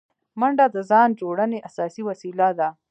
منډه د ځان جوړونې اساسي وسیله ده